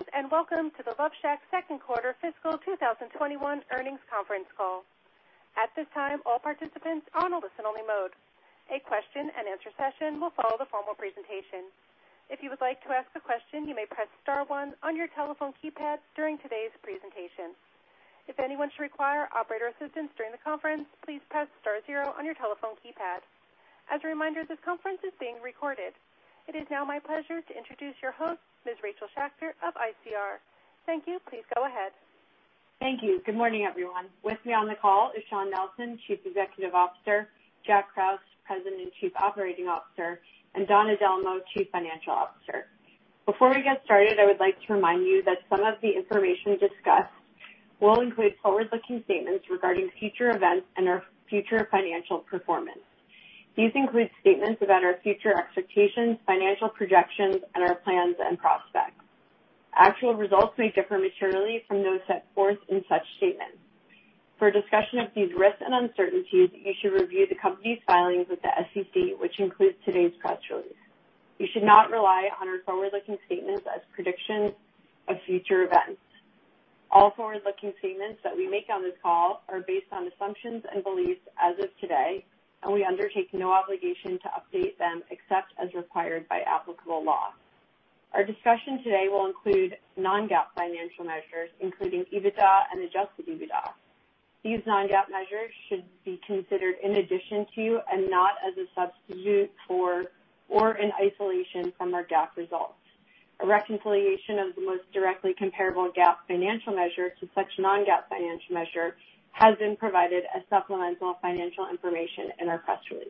Greetings, and welcome to the Lovesac second quarter fiscal 2021 earnings conference call. At this time, all participants are on a listen-only mode. A question-and-answer session will follow the formal presentation. If you would like to ask a question, you may press star one on your telephone keypad during today's presentation. If anyone should require operator assistance during the conference, please press star zero on your telephone keypad. As a reminder, this conference is being recorded. It is now my pleasure to introduce your host, Ms. Rachel Schacter of ICR. Thank you. Please go ahead. Thank you. Good morning, everyone. With me on the call is Shawn Nelson, Chief Executive Officer, Jack Krause, President and Chief Operating Officer, and Donna Dellomo, Chief Financial Officer. Before we get started, I would like to remind you that some of the information discussed will include forward-looking statements regarding future events and our future financial performance. These include statements about our future expectations, financial projections, and our plans and prospects. Actual results may differ materially from those set forth in such statements. For a discussion of these risks and uncertainties, you should review the company's filings with the SEC, which includes today's press release. You should not rely on our forward-looking statements as predictions of future events. All forward-looking statements that we make on this call are based on assumptions and beliefs as of today, and we undertake no obligation to update them except as required by applicable law. Our discussion today will include non-GAAP financial measures, including EBITDA and adjusted EBITDA. These non-GAAP measures should be considered in addition to and not as a substitute for or in isolation from our GAAP results. A reconciliation of the most directly comparable GAAP financial measures to such non-GAAP financial measure has been provided as supplemental financial information in our press release.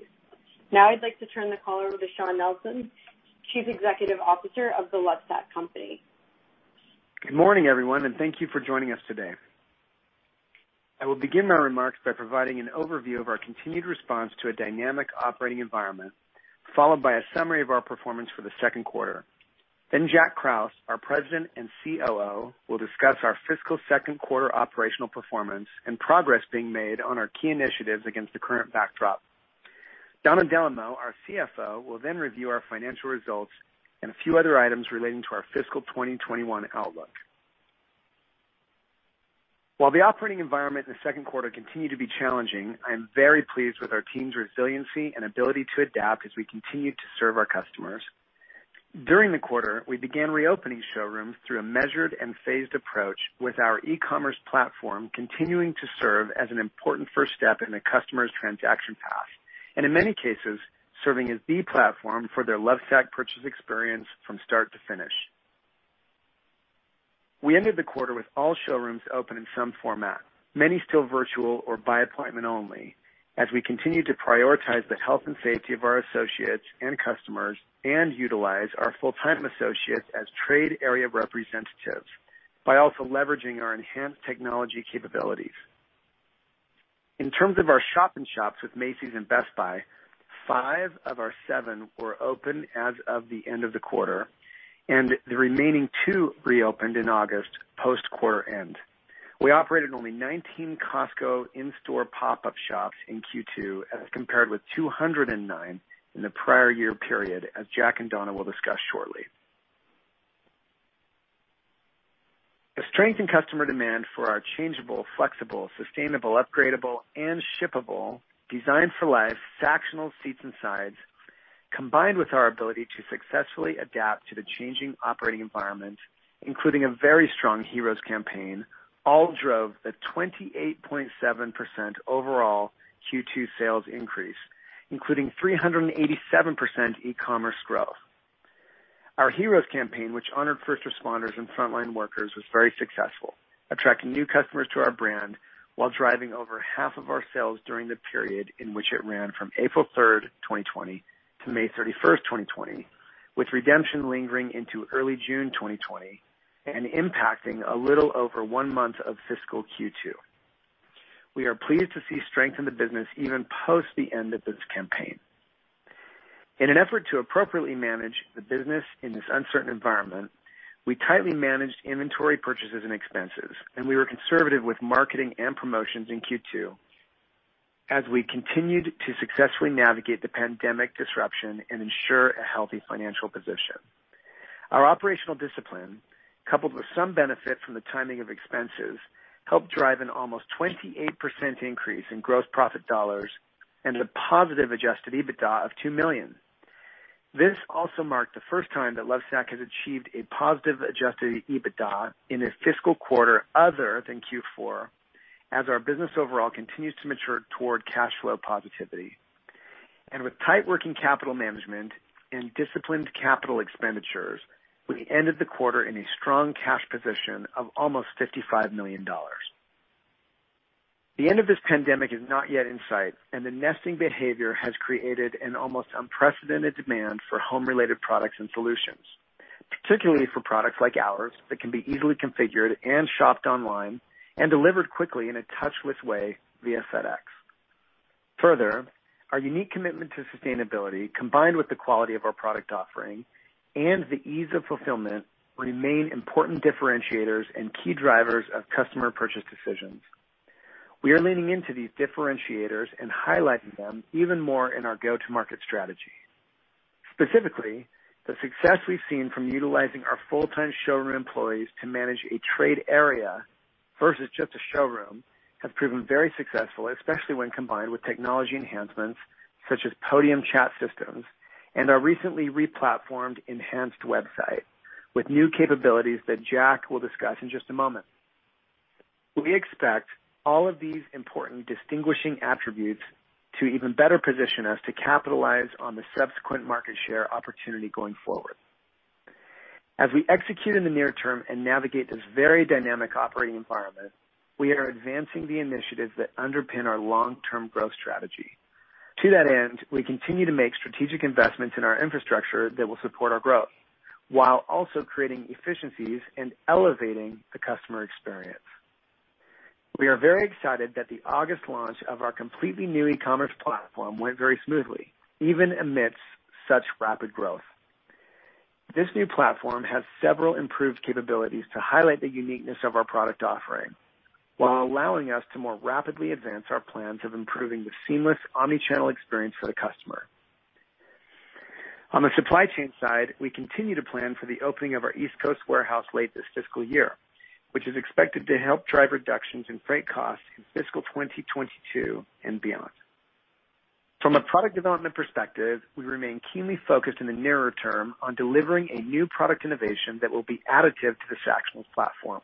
Now I'd like to turn the call over to Shawn Nelson, Chief Executive Officer of The Lovesac Company. Good morning, everyone, and thank you for joining us today. I will begin my remarks by providing an overview of our continued response to a dynamic operating environment, followed by a summary of our performance for the second quarter. Then Jack Krause, our President and COO, will discuss our fiscal second quarter operational performance and progress being made on our key initiatives against the current backdrop. Donna Dellomo, our CFO, will then review our financial results and a few other items relating to our fiscal 2021 outlook. While the operating environment in the second quarter continued to be challenging, I am very pleased with our team's resiliency and ability to adapt as we continue to serve our customers. During the quarter, we began reopening showrooms through a measured and phased approach with our e-commerce platform continuing to serve as an important first step in the customer's transaction path, and in many cases, serving as the platform for their Lovesac purchase experience from start to finish. We ended the quarter with all showrooms open in some format, many still virtual or by appointment only, as we continue to prioritize the health and safety of our associates and customers and utilize our full-time associates as trade area representatives by also leveraging our enhanced technology capabilities. In terms of our shop in shops with Macy's and Best Buy, five of our seven were open as of the end of the quarter, and the remaining two reopened in August post-quarter end. We operated only 19 Costco in-store pop-up shops in Q2 as compared with 209 in the prior year period, as Jack and Donna will discuss shortly. The strength in customer demand for our changeable, flexible, sustainable, upgradable, and shippable designed for life, sectional seats and sides, combined with our ability to successfully adapt to the changing operating environment, including a very strong Heroes campaign, all drove the 28.7% overall Q2 sales increase, including 387% e-commerce growth. Our Heroes campaign, which honored first responders and frontline workers, was very successful, attracting new customers to our brand while driving over half of our sales during the period in which it ran from April 3rd, 2020 to May 31st, 2020, with redemption lingering into early June 2020 and impacting a little over one month of fiscal Q2. We are pleased to see strength in the business even post the end of this campaign. In an effort to appropriately manage the business in this uncertain environment, we tightly managed inventory purchases and expenses, and we were conservative with marketing and promotions in Q2 as we continued to successfully navigate the pandemic disruption and ensure a healthy financial position. Our operational discipline, coupled with some benefit from the timing of expenses, helped drive an almost 28% increase in gross profit dollars and a positive adjusted EBITDA of $2 million. This also marked the first time that Lovesac has achieved a positive adjusted EBITDA in a fiscal quarter other than Q4 as our business overall continues to mature toward cash flow positivity. With tight working capital management and disciplined capital expenditures, we ended the quarter in a strong cash position of almost $55 million. The end of this pandemic is not yet in sight, and the nesting behavior has created an almost unprecedented demand for home-related products and solutions, particularly for products like ours that can be easily configured and shopped online and delivered quickly in a touchless way via FedEx. Further, our unique commitment to sustainability, combined with the quality of our product offering and the ease of fulfillment, remain important differentiators and key drivers of customer purchase decisions. We are leaning into these differentiators and highlighting them even more in our go-to-market strategy. Specifically, the success we've seen from utilizing our full-time showroom employees to manage a trade area versus just a showroom has proven very successful, especially when combined with technology enhancements such as Podium chat systems and our recently re-platformed enhanced website with new capabilities that Jack will discuss in just a moment. We expect all of these important distinguishing attributes to even better position us to capitalize on the subsequent market share opportunity going forward. As we execute in the near term and navigate this very dynamic operating environment, we are advancing the initiatives that underpin our long-term growth strategy. To that end, we continue to make strategic investments in our infrastructure that will support our growth while also creating efficiencies and elevating the customer experience. We are very excited that the August launch of our completely new e-commerce platform went very smoothly, even amidst such rapid growth. This new platform has several improved capabilities to highlight the uniqueness of our product offering while allowing us to more rapidly advance our plans of improving the seamless omni-channel experience for the customer. On the supply chain side, we continue to plan for the opening of our East Coast warehouse late this fiscal year, which is expected to help drive reductions in freight costs in fiscal 2022 and beyond. From a product development perspective, we remain keenly focused in the nearer term on delivering a new product innovation that will be additive to the Sactionals platform.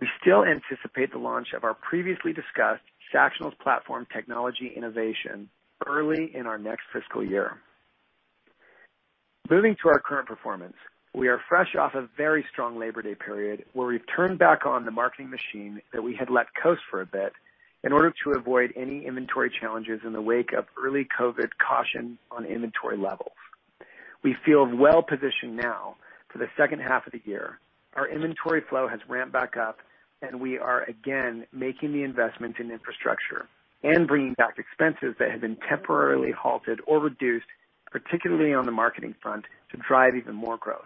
We still anticipate the launch of our previously-discussed Sactionals platform technology innovation early in our next fiscal year. Moving to our current performance, we are fresh off a very strong Labor Day period where we've turned back on the marketing machine that we had let coast for a bit in order to avoid any inventory challenges in the wake of early COVID caution on inventory levels. We feel well-positioned now for the second half of the year. Our inventory flow has ramped back up, and we are again making the investment in infrastructure and bringing back expenses that had been temporarily halted or reduced, particularly on the marketing front, to drive even more growth.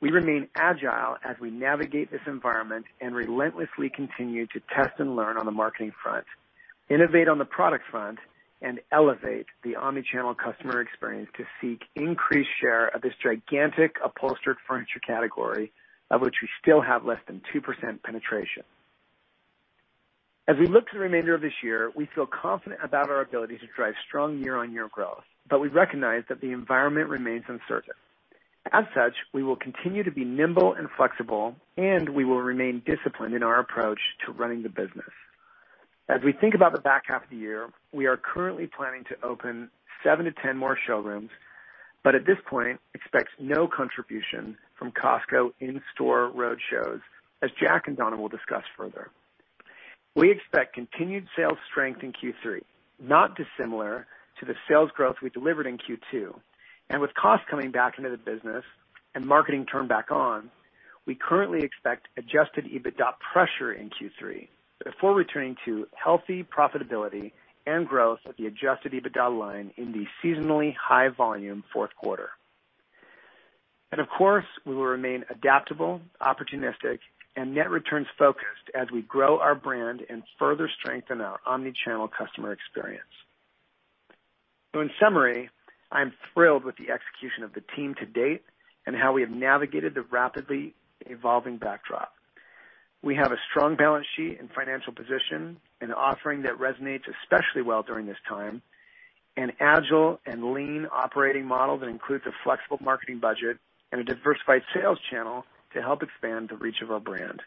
We remain agile as we navigate this environment and relentlessly continue to test and learn on the marketing front, innovate on the product front, and elevate the omni-channel customer experience to seek increased share of this gigantic upholstered furniture category, of which we still have less than 2% penetration. We look to the remainder of this year, we feel confident about our ability to drive strong year-on-year growth, but we recognize that the environment remains uncertain. We will continue to be nimble and flexible, and we will remain disciplined in our approach to running the business. As we think about the back half of the year, we are currently planning to open 7-10 more showrooms, but at this point expect no contribution from Costco in-store road shows, as Jack and Donna will discuss further. We expect continued sales strength in Q3, not dissimilar to the sales growth we delivered in Q2, and with costs coming back into the business and marketing turned back on, we currently expect adjusted EBITDA pressure in Q3 before returning to healthy profitability and growth of the adjusted EBITDA line in the seasonally high volume fourth quarter. Of course, we will remain adaptable, opportunistic, and net returns-focused as we grow our brand and further strengthen our omni-channel customer experience. In summary, I am thrilled with the execution of the team to date and how we have navigated the rapidly evolving backdrop. We have a strong balance sheet and financial position, an offering that resonates especially well during this time, an agile and lean operating model that includes a flexible marketing budget and a diversified sales channel to help expand the reach of our brand.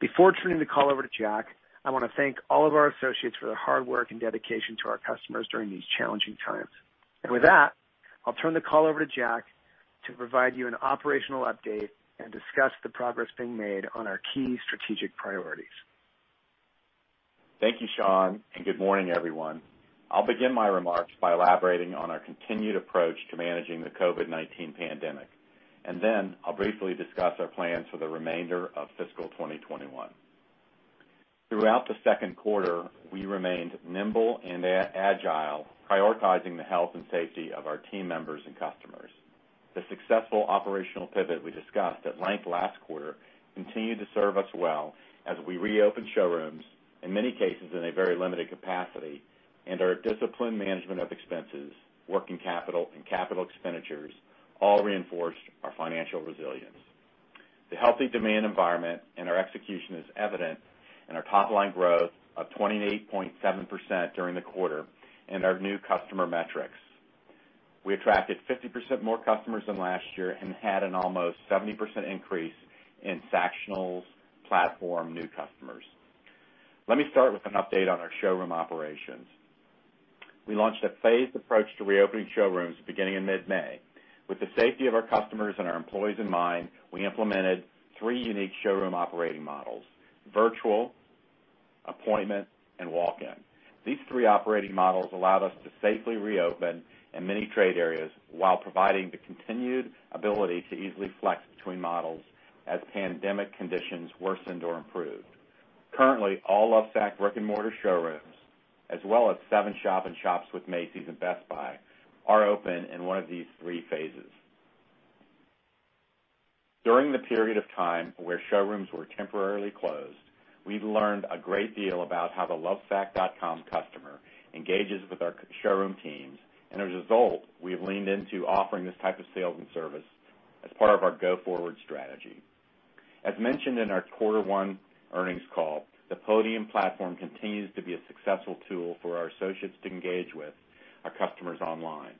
Before turning the call over to Jack, I wanna thank all of our associates for their hard work and dedication to our customers during these challenging times. With that, I'll turn the call over to Jack to provide you an operational update and discuss the progress being made on our key strategic priorities. Thank you, Shawn, and good morning, everyone. I'll begin my remarks by elaborating on our continued approach to managing the COVID-19 pandemic, and then I'll briefly discuss our plans for the remainder of fiscal 2021. Throughout the second quarter, we remained nimble and agile, prioritizing the health and safety of our team members and customers. The successful operational pivot we discussed at length last quarter continued to serve us well as we reopened showrooms, in many cases in a very limited capacity, and our disciplined management of expenses, working capital, and capital expenditures all reinforced our financial resilience. The healthy demand environment and our execution is evident in our top-line growth of 28.7% during the quarter and our new customer metrics. We attracted 50% more customers than last year and had an almost 70% increase in Sactionals platform new customers. Let me start with an update on our showroom operations. We launched a phased approach to reopening showrooms beginning in mid-May. With the safety of our customers and our employees in mind, we implemented three unique showroom operating models: virtual, appointment, and walk-in. These three operating models allowed us to safely reopen in many trade areas while providing the continued ability to easily flex between models as pandemic conditions worsened or improved. Currently, all of our Sacs brick-and-mortar showrooms, as well as seven shop-in-shops with Macy's and Best Buy, are open in one of these three phases. During the period of time where showrooms were temporarily closed, we've learned a great deal about how the lovesac.com customer engages with our showroom teams, and as a result, we have leaned into offering this type of sales and service as part of our go-forward strategy. As mentioned in our quarter one earnings call, the Podium platform continues to be a successful tool for our associates to engage with our customers online.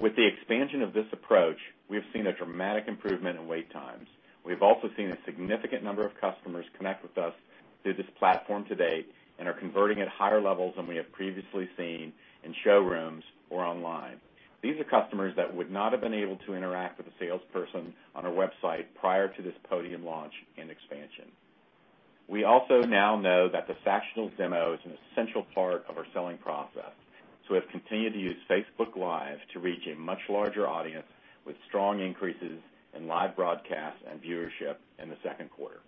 With the expansion of this approach, we have seen a dramatic improvement in wait times. We have also seen a significant number of customers connect with us through this platform to date and are converting at higher levels than we have previously seen in showrooms or online. These are customers that would not have been able to interact with a salesperson on our website prior to this Podium launch and expansion. We also now know that the Sactionals demo is an essential part of our selling process, so we have continued to use Facebook Live to reach a much larger audience with strong increases in live broadcasts and viewership in the second quarter.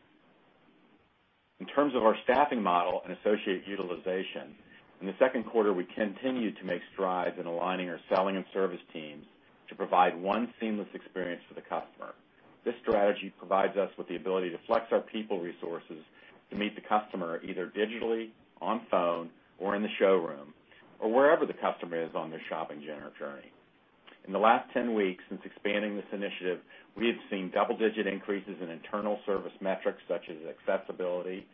In terms of our staffing model and associate utilization, in the second quarter, we continued to make strides in aligning our selling and service teams to provide one seamless experience for the customer. This strategy provides us with the ability to flex our people resources to meet the customer either digitally, on phone, or in the showroom, or wherever the customer is on their shopping journey. In the last 10 weeks since expanding this initiative, we have seen double-digit increases in internal service metrics, such as accessibility,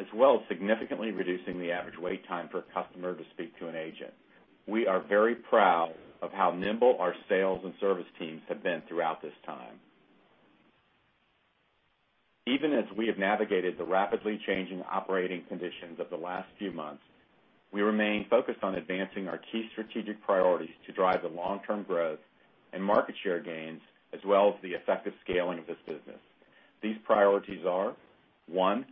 as well as significantly reducing the average wait time for a customer to speak to an agent. We are very proud of how nimble our sales and service teams have been throughout this time. Even as we have navigated the rapidly changing operating conditions of the last few months, we remain focused on advancing our key strategic priorities to drive the long-term growth and market share gains as well as the effective scaling of this business. These priorities are, one,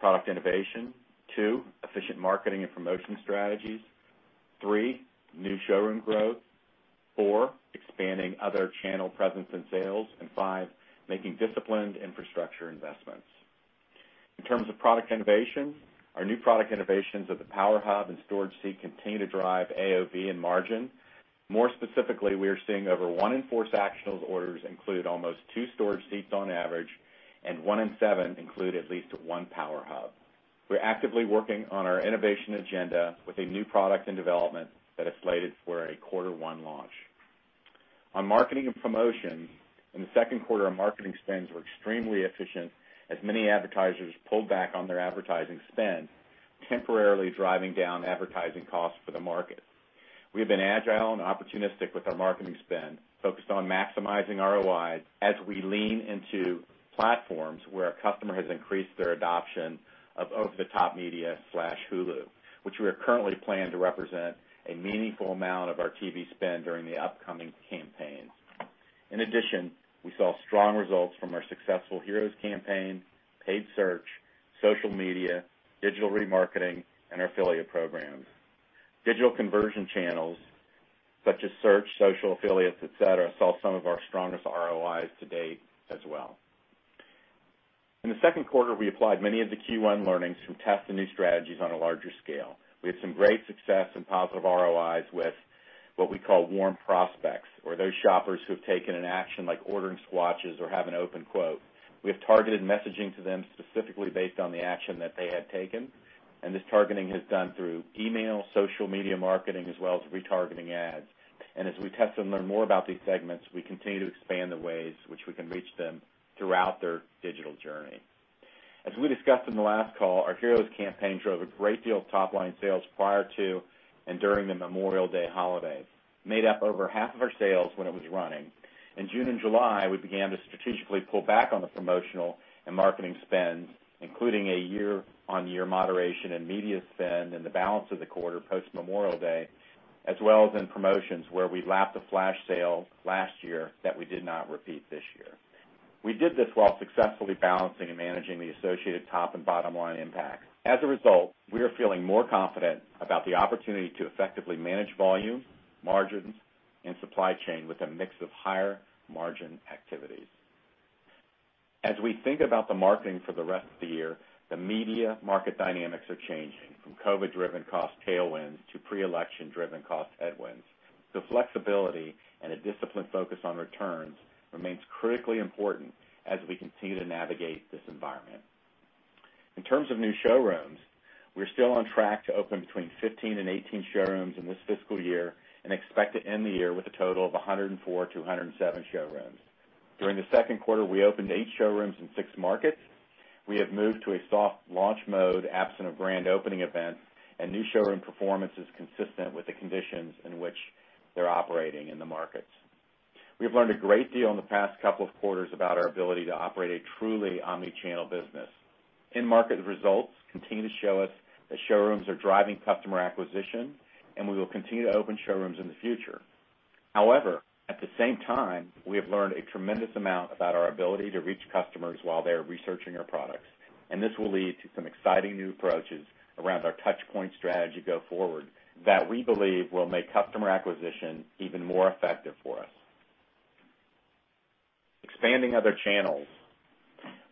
product innovation, two, efficient marketing and promotion strategies, three, new showroom growth, four, expanding other channel presence and sales, and five, making disciplined infrastructure investments. In terms of product innovation, our new product innovations of the Power Hub and Storage Seat continue to drive AOV and margin. More specifically, we are seeing over one in four Sactionals orders include almost two Storage Seats on average, and one in seven include at least one Power Hub. We're actively working on our innovation agenda with a new product in development that is slated for a quarter one launch. On marketing and promotion, in the second quarter, our marketing spends were extremely efficient as many advertisers pulled back on their advertising spend, temporarily driving down advertising costs for the market. We have been agile and opportunistic with our marketing spend, focused on maximizing ROI as we lean into platforms where our customer has increased their adoption of over-the-top media, Hulu, which we are currently planning to represent a meaningful amount of our TV spend during the upcoming campaigns. In addition, we saw strong results from our successful Heroes campaign, paid search, social media, digital remarketing, and our affiliate programs. Digital conversion channels such as search, social affiliates, etc, saw some of our strongest ROIs to date as well. In the second quarter, we applied many of the Q1 learnings from testing new strategies on a larger scale. We had some great success and positive ROIs with what we call warm prospects or those shoppers who have taken an action like ordering swatches or have an open quote. We have targeted messaging to them specifically based on the action that they had taken, and this targeting is done through email, social media marketing, as well as retargeting ads. As we test and learn more about these segments, we continue to expand the ways which we can reach them throughout their digital journey. As we discussed in the last call, our Heroes campaign drove a great deal of top-line sales prior to and during the Memorial Day holiday. It made up over half of our sales when it was running. In June and July, we began to strategically pull back on the promotional and marketing spends, including a year-on-year moderation in media spend in the balance of the quarter post Memorial Day, as well as in promotions where we lapped the flash sale last year that we did not repeat this year. We did this while successfully balancing and managing the associated top and bottom line impact. As a result, we are feeling more confident about the opportunity to effectively manage volume, margins, and supply chain with a mix of higher margin activities. As we think about the marketing for the rest of the year, the media market dynamics are changing from COVID-driven cost tailwinds to pre-election driven cost headwinds. The flexibility and a disciplined focus on returns remains critically important as we continue to navigate this environment. In terms of new showrooms, we're still on track to open between 15 and 18 showrooms in this fiscal year and expect to end the year with a total of 104 to 107 showrooms. During the second quarter, we opened eight showrooms in six markets. We have moved to a soft launch mode absent of grand opening events, and new showroom performance is consistent with the conditions in which they're operating in the markets. We have learned a great deal in the past couple of quarters about our ability to operate a truly omni-channel business. In-market results continue to show us that showrooms are driving customer acquisition, and we will continue to open showrooms in the future. However, at the same time, we have learned a tremendous amount about our ability to reach customers while they are researching our products, and this will lead to some exciting new approaches around our touchpoint strategy go forward that we believe will make customer acquisition even more effective for us. Expanding other channels.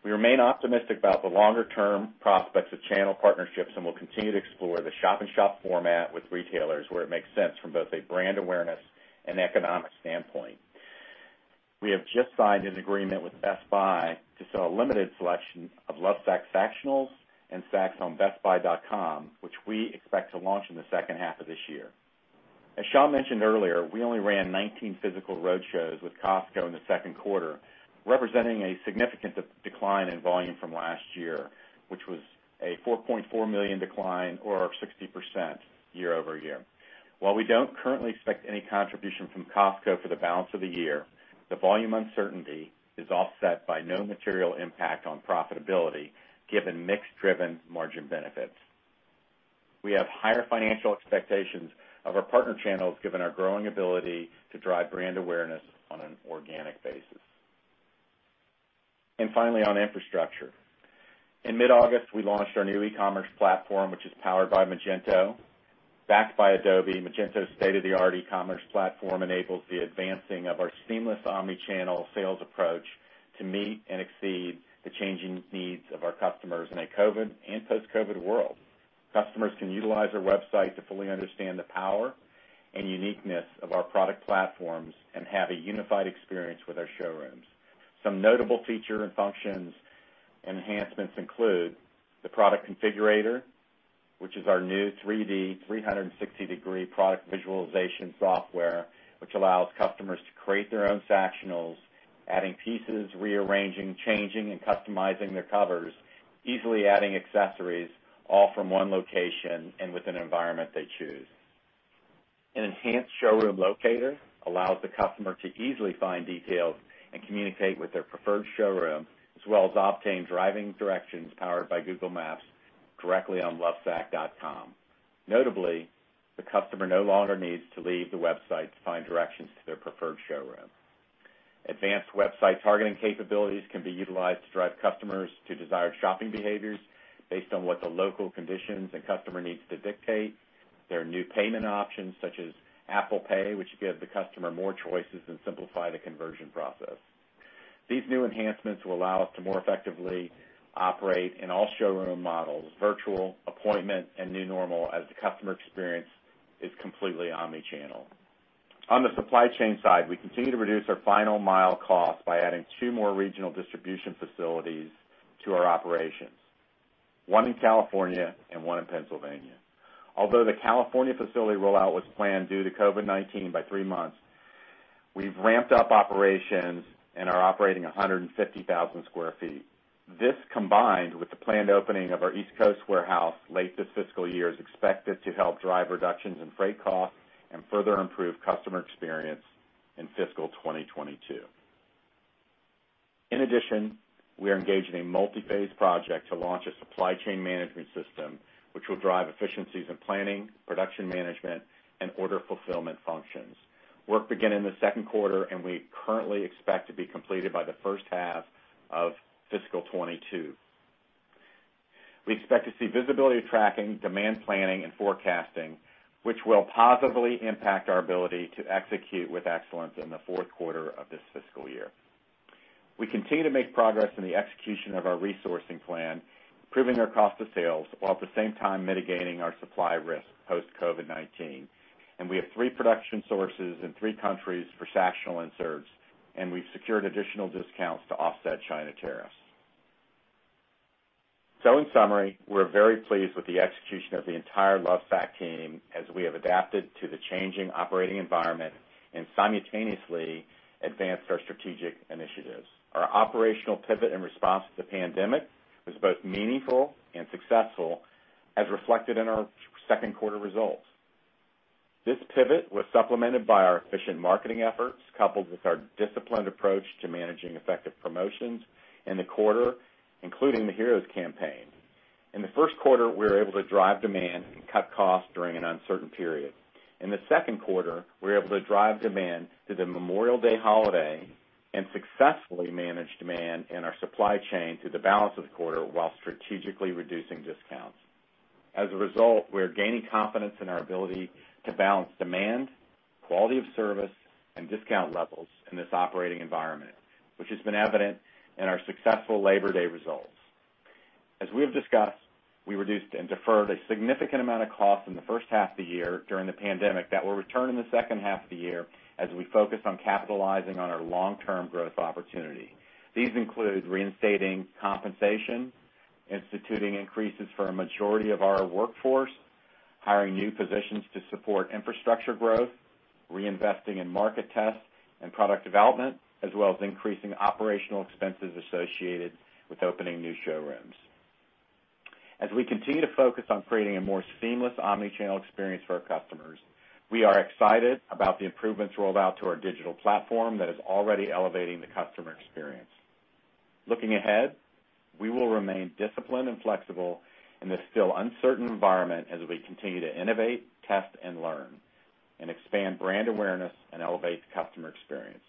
We remain optimistic about the longer-term prospects of channel partnerships, and we'll continue to explore the shop-in-shop format with retailers where it makes sense from both a brand awareness and economic standpoint. We have just signed an agreement with Best Buy to sell a limited selection of Lovesac Sactionals and Sacs on bestbuy.com, which we expect to launch in the second half of this year. As Shawn mentioned earlier, we only ran 19 physical road shows with Costco in the second quarter, representing a significant decline in volume from last year, which was a $4.4 million decline or 60% year-over-year. While we don't currently expect any contribution from Costco for the balance of the year, the volume uncertainty is offset by no material impact on profitability given mix-driven margin benefits. We have higher financial expectations of our partner channels given our growing ability to drive brand awareness on an organic basis. Finally, on infrastructure. In mid-August, we launched our new e-commerce platform, which is powered by Magento, backed by Adobe. Magento's state-of-the-art e-commerce platform enables the advancing of our seamless omni-channel sales approach to meet and exceed the changing needs of our customers in a COVID-19 and post-COVID-19 world. Customers can utilize our website to fully understand the power and uniqueness of our product platforms and have a unified experience with our showrooms. Some notable features and functions enhancements include the product configurator, which is our new 3D 360-degree product visualization software, which allows customers to create their own Sactionals, adding pieces, rearranging, changing, and customizing their covers, easily adding accessories all from one location and with an environment they choose. An enhanced showroom locator allows the customer to easily find details and communicate with their preferred showroom, as well as obtain driving directions powered by Google Maps directly on lovesac.com. Notably, the customer no longer needs to leave the website to find directions to their preferred showroom. Advanced website targeting capabilities can be utilized to drive customers to desired shopping behaviors based on what the local conditions and customer needs dictate. There are new payment options such as Apple Pay, which give the customer more choices and simplify the conversion process. These new enhancements will allow us to more effectively operate in all showroom models, virtual, appointment, and new normal as the customer experience is completely omni-channel. On the supply chain side, we continue to reduce our last mile cost by adding two more regional distribution facilities to our operations, one in California and one in Pennsylvania. Although the California facility rollout was delayed due to COVID-19 by three months, we've ramped up operations and are operating 150,000 sq ft. This combined with the planned opening of our East Coast warehouse late this fiscal year is expected to help drive reductions in freight costs and further improve customer experience in fiscal 2022. In addition, we are engaged in a multi-phase project to launch a supply chain management system, which will drive efficiencies in planning, production management, and order fulfillment functions. Work began in the second quarter, and we currently expect to be completed by the first half of fiscal 2022. We expect to see visibility tracking, demand planning, and forecasting, which will positively impact our ability to execute with excellence in the fourth quarter of this fiscal year. We continue to make progress in the execution of our resourcing plan, improving our cost of sales while at the same time mitigating our supply risk post-COVID-19. We have three production sources in three countries for Sactionals inserts, and we've secured additional discounts to offset China tariffs. In summary, we're very pleased with the execution of the entire Lovesac team as we have adapted to the changing operating environment and simultaneously advanced our strategic initiatives. Our operational pivot and response to the pandemic was both meaningful and successful as reflected in our second quarter results. This pivot was supplemented by our efficient marketing efforts, coupled with our disciplined approach to managing effective promotions in the quarter, including the Heroes campaign. In the first quarter, we were able to drive demand and cut costs during an uncertain period. In the second quarter, we were able to drive demand through the Memorial Day holiday and successfully manage demand in our supply chain through the balance of the quarter while strategically reducing discounts. As a result, we are gaining confidence in our ability to balance demand, quality of service, and discount levels in this operating environment, which has been evident in our successful Labor Day results. We have discussed, we reduced and deferred a significant amount of costs in the first half of the year during the pandemic that will return in the second half of the year as we focus on capitalizing on our long-term growth opportunity. These include reinstating compensation, instituting increases for a majority of our workforce, hiring new positions to support infrastructure growth, reinvesting in market tests and product development, as well as increasing operational expenses associated with opening new showrooms. As we continue to focus on creating a more seamless omni-channel experience for our customers, we are excited about the improvements rolled out to our digital platform that is already elevating the customer experience. Looking ahead, we will remain disciplined and flexible in this still uncertain environment as we continue to innovate, test and learn and expand brand awareness and elevate the customer experience.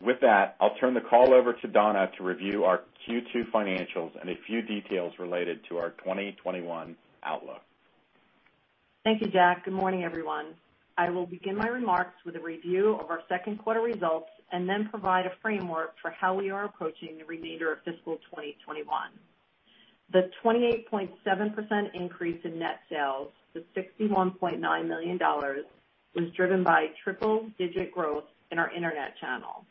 With that, I'll turn the call over to Donna to review our Q2 financials and a few details related to our 2021 outlook. Thank you, Jack. Good morning, everyone. I will begin my remarks with a review of our second quarter results, and then provide a framework for how we are approaching the remainder of fiscal 2021. The 28.7% increase in net sales to $61.9 million was driven by triple digit growth in our Internet channel.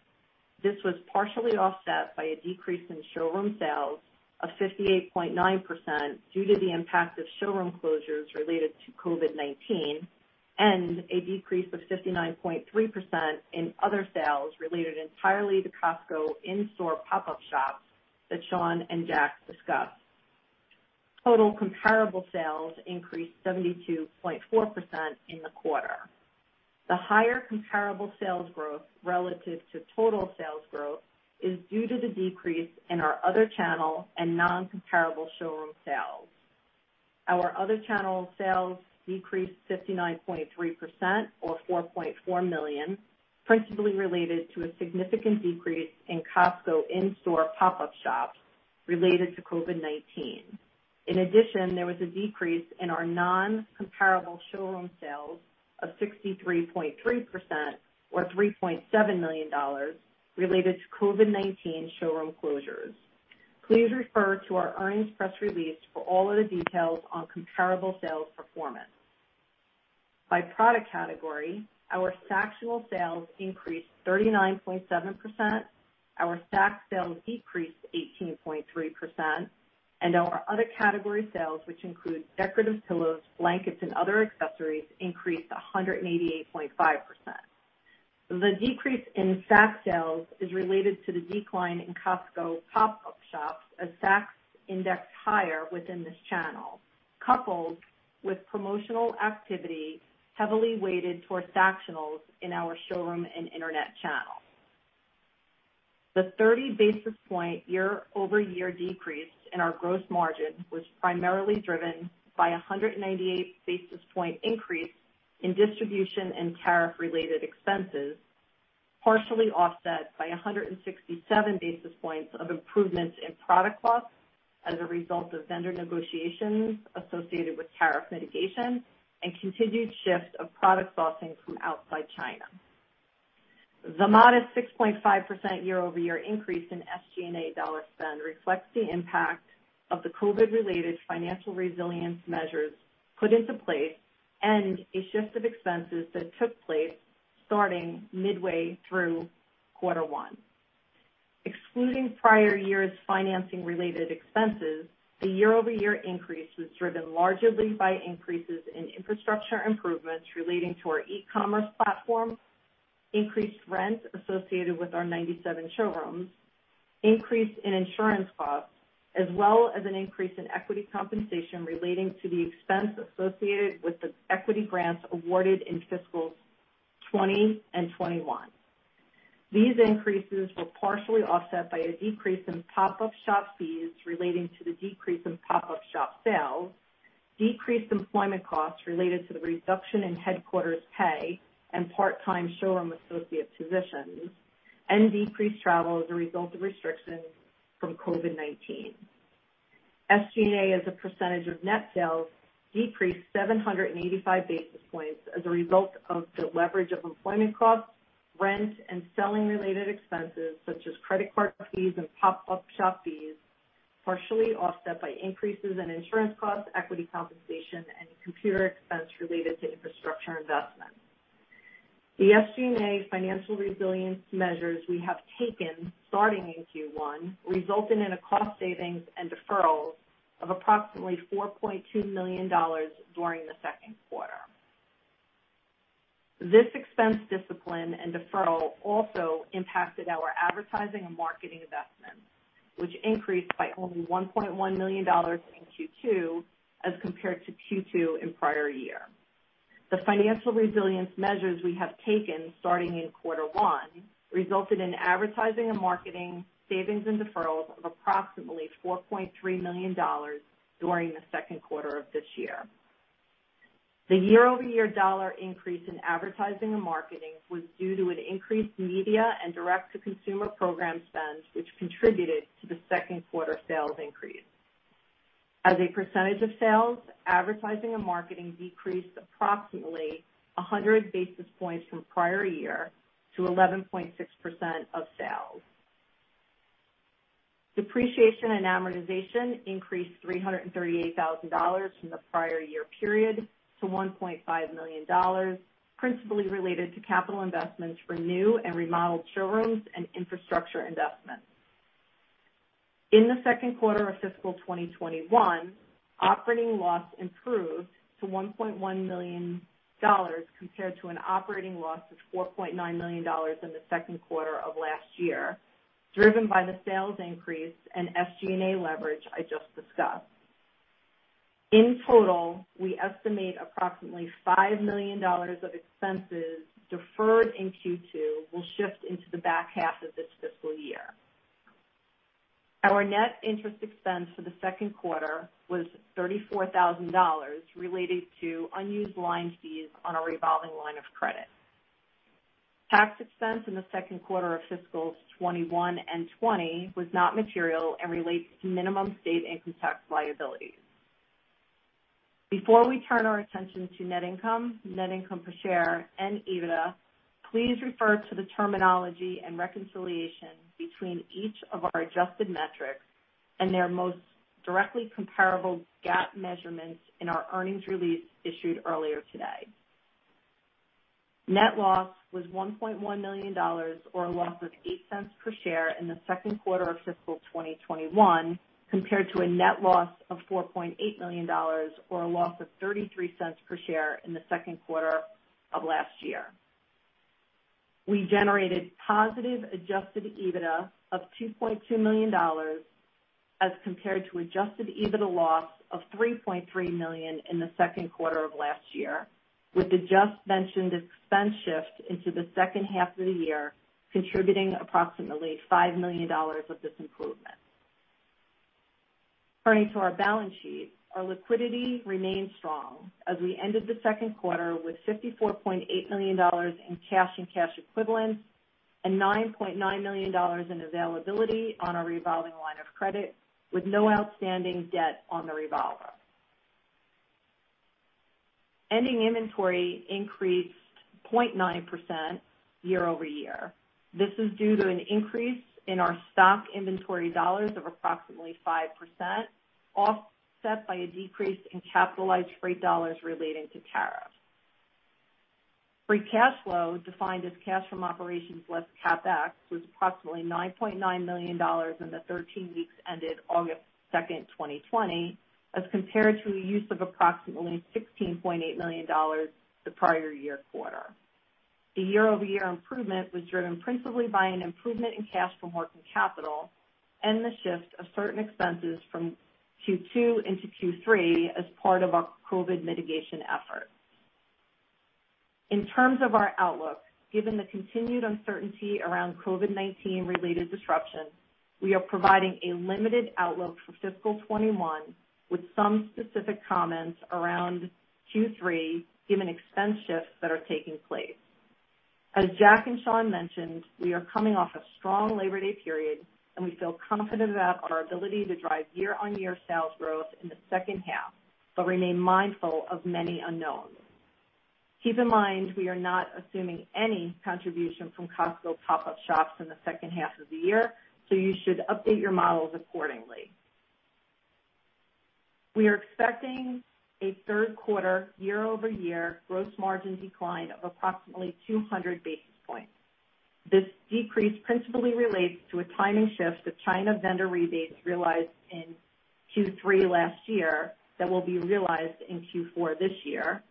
This was partially offset by a decrease in showroom sales of 58.9% due to the impact of showroom closures related to COVID-19, and a decrease of 59.3% in other sales related entirely to Costco in-store pop-up shops that Shawn and Jack discussed. Total comparable sales increased 72.4% in the quarter. The higher comparable sales growth relative to total sales growth is due to the decrease in our other channel and non-comparable showroom sales. Our other channel sales decreased 59.3% or $4.4 million, principally-related to a significant decrease in Costco in-store pop-up shops related to COVID-19. In addition, there was a decrease in our non-comparable showroom sales of 63.3% or $3.7 million related to COVID-19 showroom closures. Please refer to our earnings press release for all other details on comparable sales performance. By product category, our Sactionals sales increased 39.7%, our Sacs sales decreased 18.3%, and our other category sales, which include decorative pillows, blankets, and other accessories, increased 188.5%. The decrease in Sacs sales is related to the decline in Costco pop-up shops as Sacs indexed higher within this channel, coupled with promotional activity heavily-weighted towards Sactionals in our showroom and internet channel. The 30 basis point year-over-year decrease in our gross margin was primarily driven by a 198 basis point increase in distribution and tariff-related expenses, partially offset by 167 basis points of improvements in product costs as a result of vendor negotiations associated with tariff mitigation and continued shift of product sourcing from outside China. The modest 6.5% year-over-year increase in SG&A dollar spend reflects the impact of the COVID-related financial resilience measures put into place and a shift of expenses that took place starting midway through quarter one. Excluding prior year's financing-related expenses, the year-over-year increase was driven largely by increases in infrastructure improvements relating to our e-commerce platform, increased rent associated with our 97 showrooms, increase in insurance costs, as well as an increase in equity compensation relating to the expense associated with the equity grants awarded in fiscal 2020 and 2021. These increases were partially offset by a decrease in pop-up shop fees relating to the decrease in pop-up shop sales, decreased employment costs related to the reduction in headquarters pay and part-time showroom associate positions, and decreased travel as a result of restrictions from COVID-19. SG&A, as a percentage of net sales, decreased 785 basis points as a result of the leverage of employment costs, rent, and selling-related expenses such as credit card fees and pop-up shop fees, partially offset by increases in insurance costs, equity compensation, and computer expense related to infrastructure investments. The SG&A financial resilience measures we have taken starting in Q1 resulted in a cost savings and deferrals of approximately $4.2 million during the second quarter. This expense discipline and deferral also impacted our advertising and marketing investments, which increased by only $1.1 million in Q2 as compared to Q2 in prior year. The financial resilience measures we have taken starting in quarter one resulted in advertising and marketing savings and deferrals of approximately $4.3 million during the second quarter of this year. The year-over-year dollar increase in advertising and marketing was due to an increased media and direct-to-consumer program spend, which contributed to the second quarter sales increase. As a percentage of sales, advertising and marketing decreased approximately 100 basis points from prior year to 11.6% of sales. Depreciation and amortization increased $338,000 from the prior year period to $1.5 million, principally related to capital investments for new and remodeled showrooms and infrastructure investments. In the second quarter of fiscal 2021, operating loss improved to $1.1 million compared to an operating loss of $4.9 million in the second quarter of last year, driven by the sales increase and SG&A leverage I just discussed. In total, we estimate approximately $5 million of expenses deferred in Q2 will shift into the back half of this fiscal year. Our net interest expense for the second quarter was $34,000 related to unused line fees on our revolving line of credit. Tax expense in the second quarter of fiscal 2021 and 2020 was not material and relates to minimum state income tax liabilities. Before we turn our attention to net income, net income per share and EBITDA, please refer to the terminology and reconciliation between each of our adjusted metrics and their most directly comparable GAAP measurements in our earnings release issued earlier today. Net loss was $1.1 million, or a loss of $0.08 per share in the second quarter of fiscal 2021, compared to a net loss of $4.8 million or a loss of $0.33 per share in the second quarter of last year. We generated positive adjusted EBITDA of $2.2 million as compared to adjusted EBITDA loss of $3.3 million in the second quarter of last year, with the just mentioned expense shift into the second half of the year, contributing approximately $5 million of this improvement. Turning to our balance sheet, our liquidity remains strong as we ended the second quarter with $54.8 million in cash and cash equivalents and $9.9 million in availability on our revolving line of credit, with no outstanding debt on the revolver. Ending inventory increased 0.9% year-over-year. This is due to an increase in our stock inventory dollars of approximately 5%, offset by a decrease in capitalized freight dollars relating to tariff. Free cash flow, defined as cash from operations less CapEx, was approximately $9.9 million in the 13 weeks ended August 2nd, 2020, as compared to the use of approximately $16.8 million the prior year quarter. The year-over-year improvement was driven principally by an improvement in cash from working capital and the shift of certain expenses from Q2 into Q3 as part of our COVID mitigation effort. In terms of our outlook, given the continued uncertainty around COVID-19 related disruptions, we are providing a limited outlook for fiscal 2021 with some specific comments around Q3 given expense shifts that are taking place. As Jack and Shawn mentioned, we are coming off a strong Labor Day period and we feel confident about our ability to drive year-over-year sales growth in the second half but remain mindful of many unknowns. Keep in mind, we are not assuming any contribution from Costco pop-up shops in the second half of the year, so you should update your models accordingly. We are expecting a third quarter year-over-year gross margin decline of approximately 200 basis points. This decrease principally relates to a timing shift of China vendor rebates realized in Q3 last year that will be realized in Q4 this year,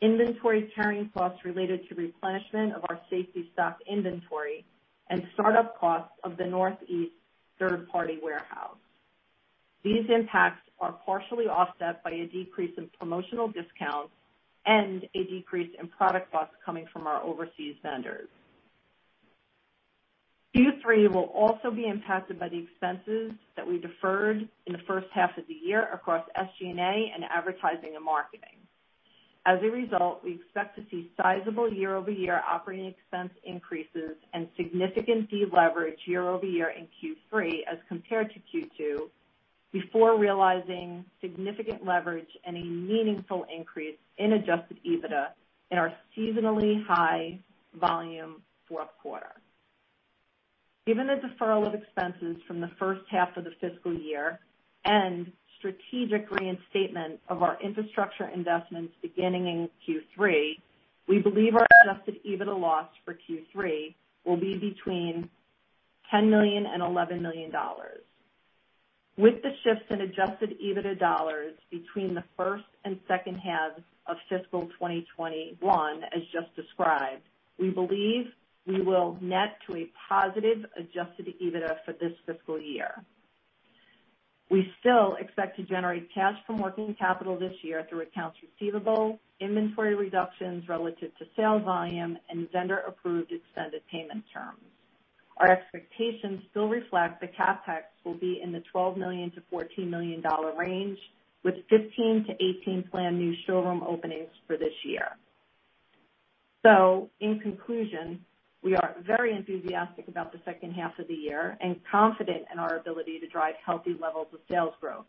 inventory carrying costs related to replenishment of our safety stock inventory and startup costs of the Northeast third-party warehouse. These impacts are partially offset by a decrease in promotional discounts and a decrease in product costs coming from our overseas vendors. Q3 will also be impacted by the expenses that we deferred in the first half of the year across SG&A and advertising and marketing. As a result, we expect to see sizable year-over-year operating expense increases and significant deleverage year-over-year in Q3 as compared to Q2 before realizing significant leverage and a meaningful increase in adjusted EBITDA in our seasonally high volume fourth quarter. Given the deferral of expenses from the first half of the fiscal year and strategic reinstatement of our infrastructure investments beginning in Q3, we believe our adjusted EBITDA loss for Q3 will be between $10 million and $11 million. With the shifts in adjusted EBITDA dollars between the first and second halves of fiscal 2021, as just described, we believe we will net to a positive adjusted EBITDA for this fiscal year. We still expect to generate cash from working capital this year through accounts receivable, inventory reductions relative to sales volume and vendor approved extended payment terms. Our expectations still reflect that CapEx will be in the $12 million-$14 million range with 15-18 planned new showroom openings for this year. In conclusion, we are very enthusiastic about the second half of the year and confident in our ability to drive healthy levels of sales growth.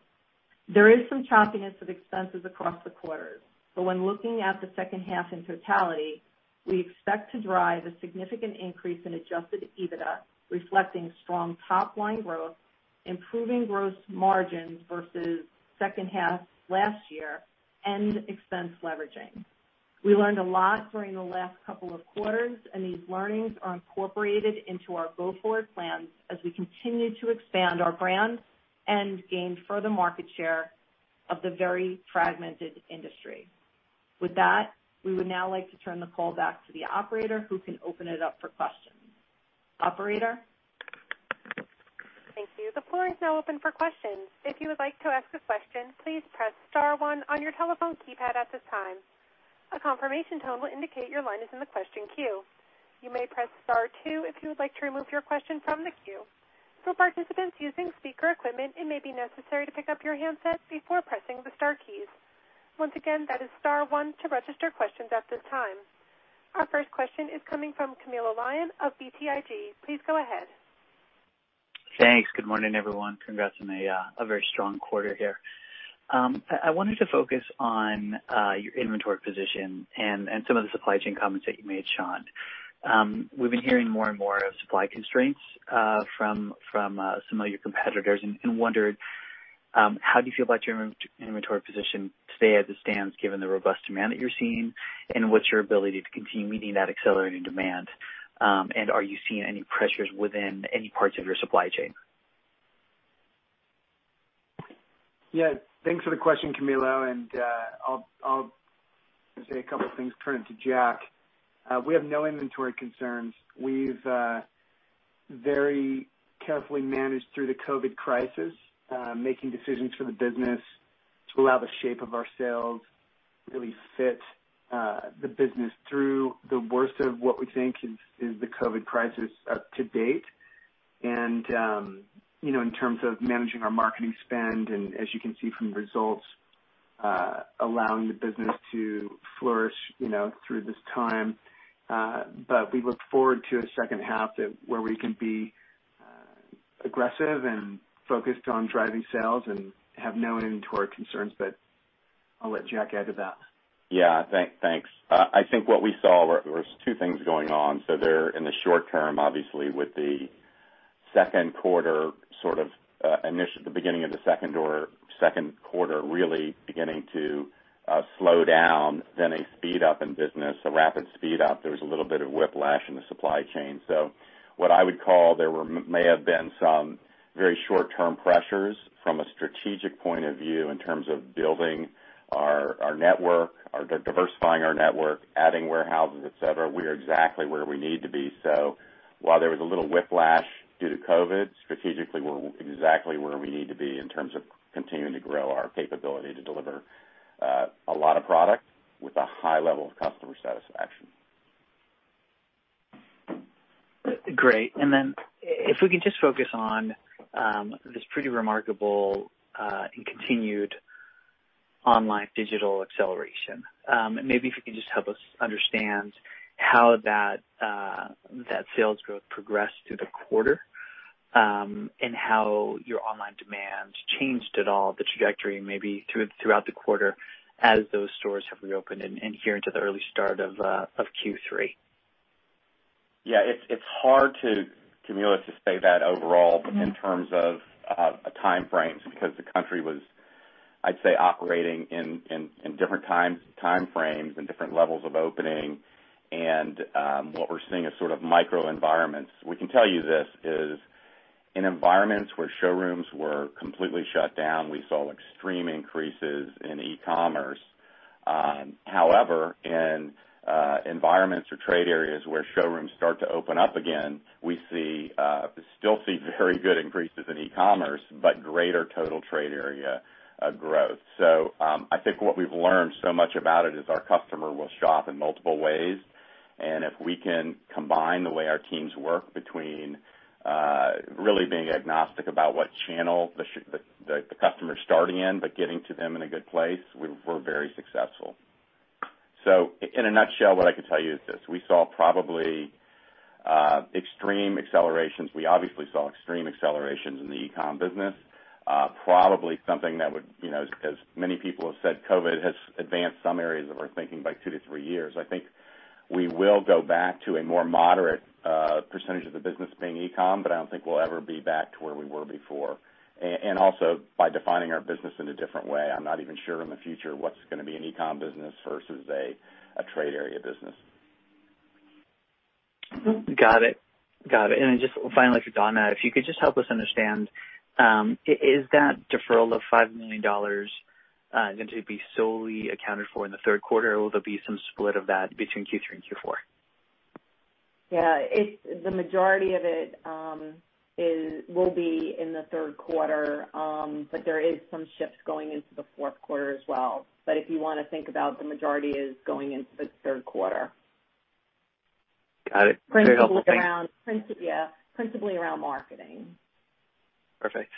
There is some choppiness of expenses across the quarters, but when looking at the second half in totality, we expect to drive a significant increase in adjusted EBITDA, reflecting strong top line growth, improving gross margins versus second half last year and expense leveraging. We learned a lot during the last couple of quarters and these learnings are incorporated into our go forward plans as we continue to expand our brand and gain further market share of the very fragmented industry. With that, we would now like to turn the call back to the operator who can open it up for questions. Operator? Thank you. The floor is now open for questions. If you would like to ask a question, please press star one on your telephone keypad at this time. A confirmation tone will indicate your line is in the question queue. You may press star two if you would like to remove your question from the queue. For participants using speaker equipment, it may be necessary to pick up your handsets before pressing the star keys. Once again, that is star one to register questions at this time. Our first question is coming from Camilo Lyon of BTIG. Please go ahead. Thanks. Good morning, everyone. Congrats on a very strong quarter here. I wanted to focus on your inventory position and some of the supply chain comments that you made, Shawn. We've been hearing more and more of supply constraints from some of your competitors and wondered how do you feel about your inventory position today as it stands, given the robust demand that you're seeing, and what's your ability to continue meeting that accelerating demand? And are you seeing any pressures within any parts of your supply chain? Yeah. Thanks for the question, Camilo, and I'll say a couple things, turn it to Jack. We have no inventory concerns. We've very carefully managed through the COVID crisis, making decisions for the business to allow the shape of our sales really fit the business through the worst of what we think is the COVID crisis to date. You know, in terms of managing our marketing spend, and as you can see from the results, allowing the business to flourish, you know, through this time. We look forward to a second half where we can be aggressive and focused on driving sales and have no inventory concerns. I'll let Jack add to that. Yeah. Thanks. I think what we saw was two things going on. In the short term, obviously, with the second quarter sort of the beginning of the second quarter really beginning to slow down, then a speed up in business, a rapid speed up, there was a little bit of whiplash in the supply chain. What I would call there may have been some very short-term pressures from a strategic point of view in terms of building our network, diversifying our network, adding warehouses, etc, we are exactly where we need to be. While there was a little whiplash due to COVID, strategically, we're exactly where we need to be in terms of continuing to grow our capability to deliver a lot of product with a high level of customer satisfaction. Great. Then if we can just focus on this pretty remarkable and continued online digital acceleration. Maybe if you can just help us understand how that sales growth progressed through the quarter, and how your online demand changed at all the trajectory maybe throughout the quarter as those stores have reopened and here into the early start of Q3. Yeah. It's hard to, Camilo, to say that overall- Mm-hmm. In terms of timeframes because the country was, I'd say, operating in different timeframes and different levels of opening. What we're seeing is sort of microenvironments. We can tell you this is in environments where showrooms were completely shut down. We saw extreme increases in e-commerce. However, in environments or trade areas where showrooms start to open up again, we still see very good increases in e-commerce, but greater total trade area growth. I think what we've learned so much about it is our customer will shop in multiple ways. If we can combine the way our teams work between really being agnostic about what channel the customer's starting in, but getting to them in a good place, we're very successful. In a nutshell, what I can tell you is this: We saw probably extreme accelerations. We obviously saw extreme accelerations in the e-com business. Probably something that would, you know, as many people have said, COVID has advanced some areas of our thinking by two to three years. I think we will go back to a more moderate percentage of the business being e-com, but I don't think we'll ever be back to where we were before. Also by defining our business in a different way, I'm not even sure in the future what's gonna be an e-com business versus a trade area business. Got it. Just finally for Donna, if you could just help us understand, is that deferral of $5 million going to be solely accounted for in the third quarter, or will there be some split of that between Q3 and Q4? Yeah. The majority of it will be in the third quarter, but there is some shifts going into the fourth quarter as well. If you wanna think about the majority is going into the third quarter. Got it. Very helpful. Thanks. Yeah. Principally around marketing. Perfect.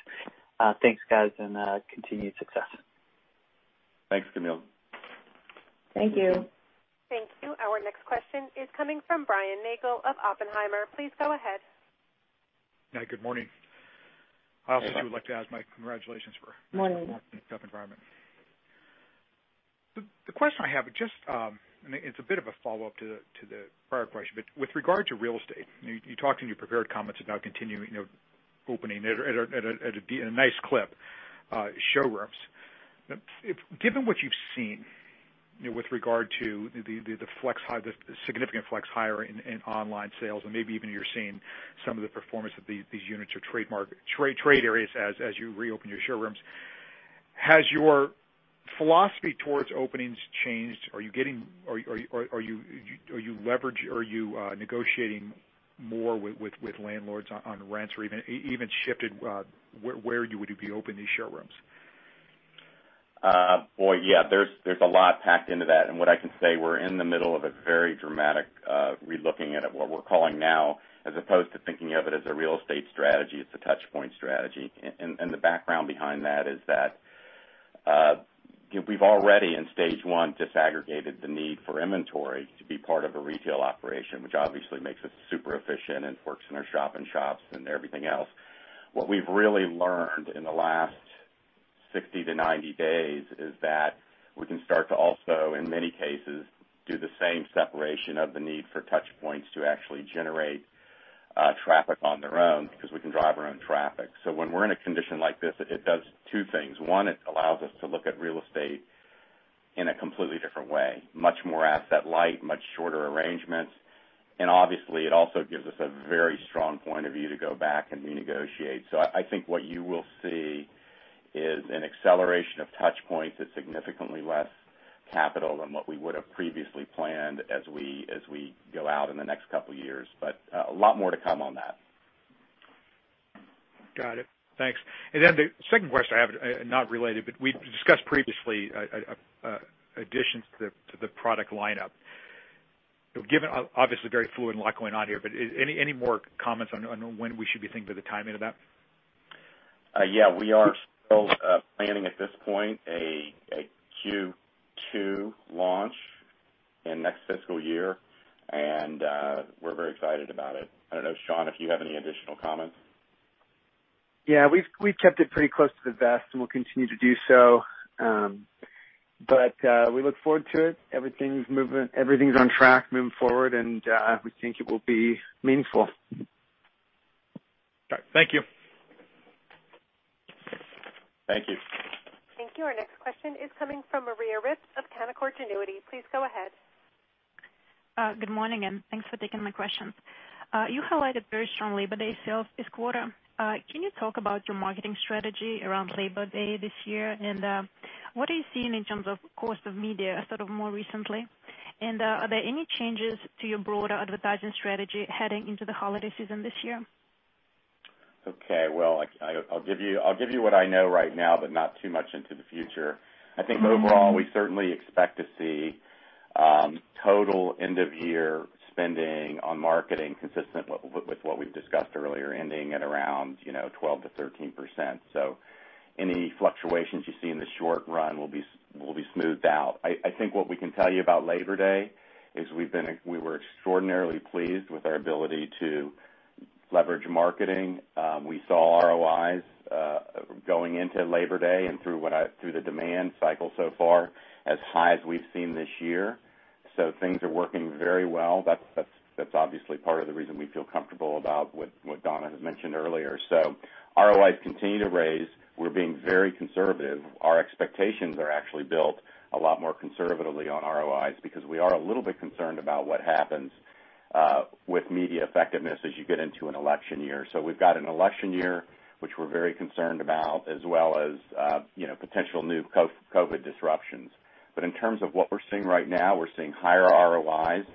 Thanks, guys, and continued success. Thanks, Camilo. Thank you. Thank you. Our next question is coming from Brian Nagel of Oppenheimer. Please go ahead. Yeah, good morning. Good morning. I also would like to add my congratulations for. Morning... this more tough environment. The question I have is just, it's a bit of a follow-up to the prior question. With regard to real estate, you talked in your prepared comments about continuing, you know, opening at a nice clip, showrooms. Given what you've seen, you know, with regard to the flex high, the significant flex higher in online sales and maybe even you're seeing some of the performance of these units or trade areas as you reopen your showrooms, has your philosophy towards openings changed? Are you negotiating more with landlords on rents or even shifted where you would be opening these showrooms? Boy, yeah, there's a lot packed into that. What I can say, we're in the middle of a very dramatic relooking at it, what we're calling now, as opposed to thinking of it as a real estate strategy, it's a touchpoint strategy. The background behind that is that we've already, in stage one, disaggregated the need for inventory to be part of a retail operation, which obviously makes us super efficient and works in our shop in shops and everything else. What we've really learned in the last 60-90 days is that we can start to also, in many cases, do the same separation of the need for touch points to actually generate traffic on their own because we can drive our own traffic. When we're in a condition like this, it does two things. One, it allows us to look at real estate in a completely different way, much more asset light, much shorter arrangements. Obviously, it also gives us a very strong point of view to go back and renegotiate. I think what you will see is an acceleration of touch points at significantly less capital than what we would have previously planned as we go out in the next couple of years, but a lot more to come on that. Got it. Thanks. The second question I have, not related, but we discussed previously additions to the product lineup. Given, obviously, very fluid and a lot going on here, but any more comments on when we should be thinking of the timing of that? Yeah, we are still planning at this point a Q2 launch in next fiscal year, and we're very excited about it. I don't know, Shawn, if you have any additional comments. Yeah, we've kept it pretty close to the vest and we'll continue to do so. We look forward to it. Everything's moving, everything's on track, moving forward, and we think it will be meaningful. All right. Thank you. Thank you. Thank you. Our next question is coming from Maria Ripps of Canaccord Genuity. Please go ahead. Good morning, and thanks for taking my questions. You highlighted very strong Labor Day sales this quarter. Can you talk about your marketing strategy around Labor Day this year? What are you seeing in terms of cost of media, sort of more recently? Are there any changes to your broader advertising strategy heading into the holiday season this year? Okay. Well, I'll give you what I know right now, but not too much into the future. I think overall, we certainly expect to see total end-of-year spending on marketing consistent with what we've discussed earlier, ending at around, you know, 12%-13%. Any fluctuations you see in the short run will be smoothed out. I think what we can tell you about Labor Day is we were extraordinarily pleased with our ability to leverage marketing. We saw ROIs going into Labor Day and through the demand cycle so far as high as we've seen this year. Things are working very well. That's obviously part of the reason we feel comfortable about what Donna had mentioned earlier. ROIs continue to rise. We're being very conservative. Our expectations are actually built a lot more conservatively on ROIs because we are a little bit concerned about what happens with media effectiveness as you get into an election year. We've got an election year, which we're very concerned about, as well as you know, potential new COVID-19 disruptions. In terms of what we're seeing right now, we're seeing higher ROIs,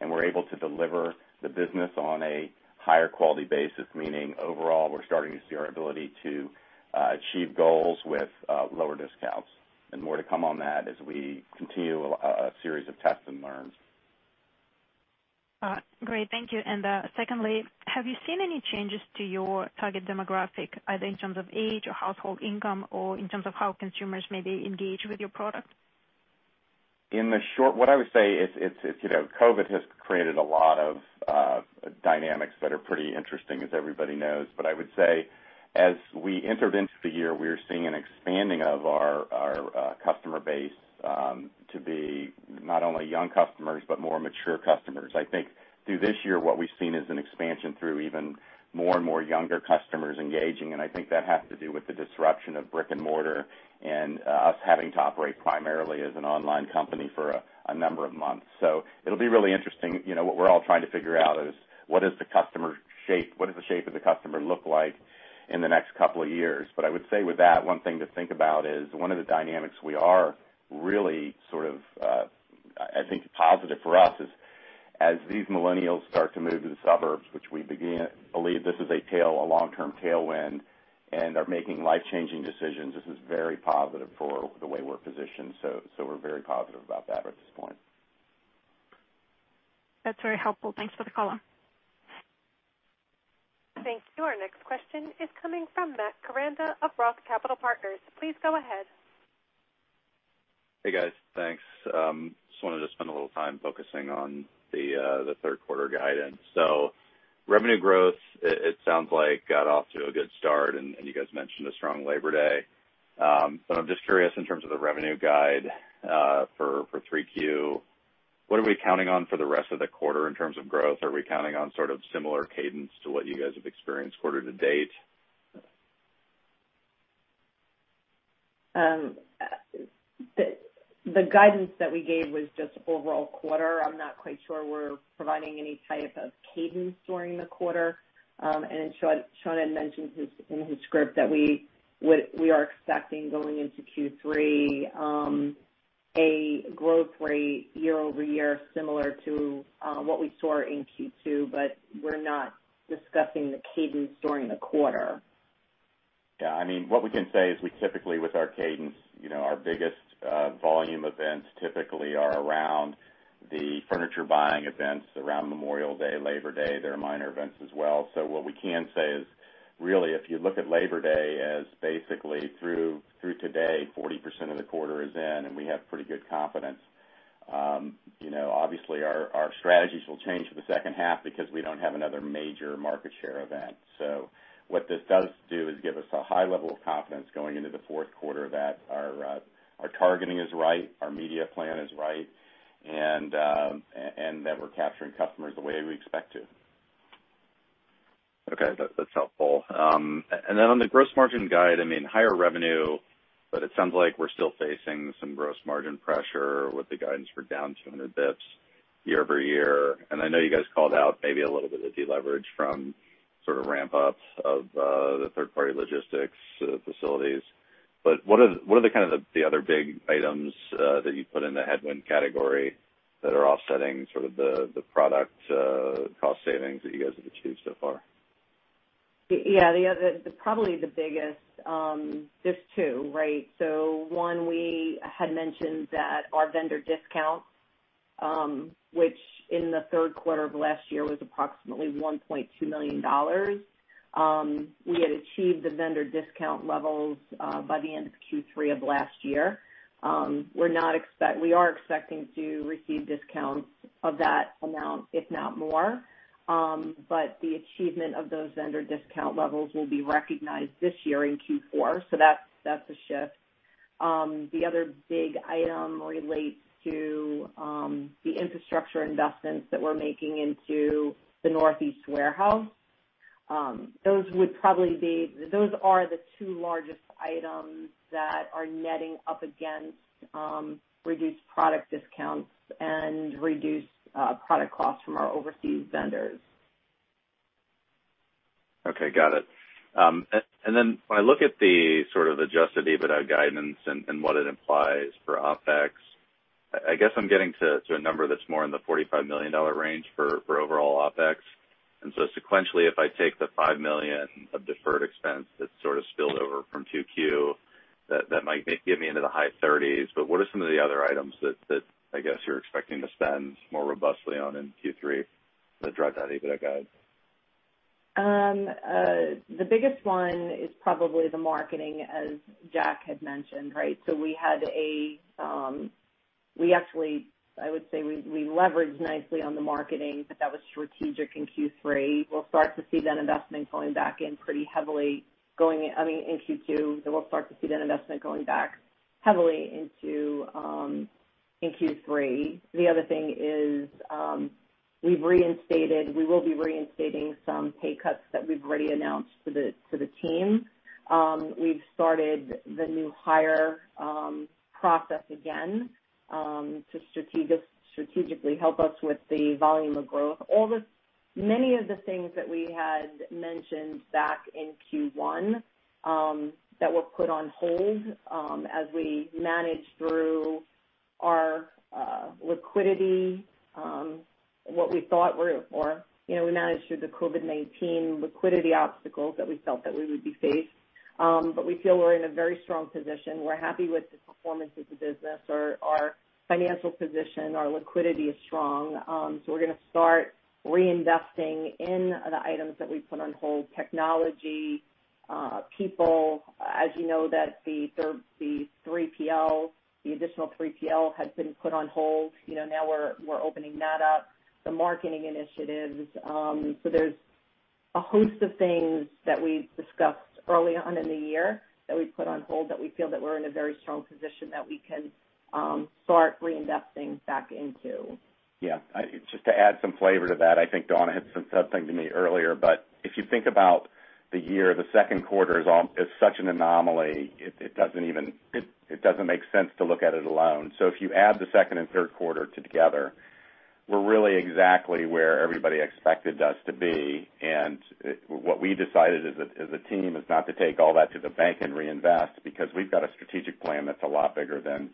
and we're able to deliver the business on a higher quality basis, meaning overall, we're starting to see our ability to achieve goals with lower discounts and more to come on that as we continue a series of tests and learns. Great. Thank you. Secondly, have you seen any changes to your target demographic, either in terms of age or household income or in terms of how consumers maybe engage with your product? What I would say is, you know, COVID has created a lot of dynamics that are pretty interesting, as everybody knows. I would say, as we entered into the year, we are seeing an expanding of our customer base to be not only young customers, but more mature customers. I think through this year, what we've seen is an expansion through even more and more younger customers engaging, and I think that has to do with the disruption of brick and mortar and us having to operate primarily as an online company for a number of months. It'll be really interesting. You know, what we're all trying to figure out is what is the customer shape? What does the shape of the customer look like in the next couple of years? I would say with that, one thing to think about is one of the dynamics we are really sort of, I think positive for us is as these millennials start to move to the suburbs, which we believe this is a tail, a long-term tailwind, and are making life-changing decisions, this is very positive for the way we're positioned. We're very positive about that at this point. That's very helpful. Thanks for the color. Thank you. Our next question is coming from Matt Koranda of ROTH Capital Partners. Please go ahead. Hey, guys. Thanks. Just wanted to spend a little time focusing on the third quarter guidance. Revenue growth, it sounds like it got off to a good start, and you guys mentioned a strong Labor Day. But I'm just curious in terms of the revenue guide for 3Q, what are we counting on for the rest of the quarter in terms of growth? Are we counting on sort of similar cadence to what you guys have experienced quarter-to-date? The guidance that we gave was just overall quarter. I'm not quite sure we're providing any type of cadence during the quarter. Shawn Nelson had mentioned, in his script, that we are expecting going into Q3 a growth rate year-over-year, similar to what we saw in Q2, but we're not discussing the cadence during the quarter. Yeah. I mean, what we can say is we typically, with our cadence, you know, our biggest volume events typically are around the furniture buying events around Memorial Day, Labor Day. There are minor events as well. So what we can say is, really, if you look at Labor Day as basically through today, 40% of the quarter is in and we have pretty good confidence. You know, obviously, our strategies will change for the second half because we don't have another major market share event. So what this does do is give us a high level of confidence going into the fourth quarter that our targeting is right, our media plan is right, and that we're capturing customers the way we expect to. Okay. That's helpful. On the gross margin guide, I mean, higher revenue, but it sounds like we're still facing some gross margin pressure with the guidance for down 200 basis points year-over-year. I know you guys called out maybe a little bit of deleverage from sort of ramp-up of the third-party logistics facilities. What are the kind of the other big items that you put in the headwind category that are offsetting sort of the product cost savings that you guys have achieved so far? Yeah, the other probably the biggest, there's two, right? One, we had mentioned that our vendor discounts, which in the third quarter of last year was approximately $1.2 million, we had achieved the vendor discount levels by the end of Q3 of last year. We are expecting to receive discounts of that amount, if not more. The achievement of those vendor discount levels will be recognized this year in Q4. That's a shift. The other big item relates to the infrastructure investments that we're making into the Northeast warehouse. Those are the two largest items that are netting up against reduced product discounts and reduced product costs from our overseas vendors. Okay. Got it. And then when I look at the sort of adjusted EBITDA guidance and what it implies for OpEx, I guess I'm getting to a number that's more in the $45 million range for overall OpEx. Sequentially, if I take the $5 million of deferred expense that sort of spilled over from 2Q, that might get me into the high $30s. What are some of the other items that I guess you're expecting to spend more robustly on in Q3 that drive that EBITDA guide? The biggest one is probably the marketing, as Jack had mentioned, right? We actually, I would say we leveraged nicely on the marketing, but that was strategic in Q3. We'll start to see that investment going back in pretty heavily, I mean, in Q2. We'll start to see that investment going back heavily into in Q3. The other thing is, we will be reinstating some pay cuts that we've already announced to the team. We've started the new hire process again to strategically help us with the volume of growth. Many of the things that we had mentioned back in Q1 that were put on hold as we managed through our liquidity, you know, we managed through the COVID-19 liquidity obstacles that we felt that we would be faced. We feel we're in a very strong position. We're happy with the performance of the business. Our financial position, our liquidity is strong. We're gonna start reinvesting in the items that we put on hold, technology, people. As you know, the 3PL, the additional 3PL had been put on hold. You know, now we're opening that up, the marketing initiatives. There's a host of things that we discussed early on in the year that we put on hold that we feel that we're in a very strong position that we can start reinvesting back into. Yeah. Just to add some flavor to that, I think Donna had said something to me earlier, but if you think about the year, the second quarter is such an anomaly, it doesn't even make sense to look at it alone. If you add the second and third quarter together, we're really exactly where everybody expected us to be. What we decided as a team is not to take all that to the bank and reinvest because we've got a strategic plan that's a lot bigger than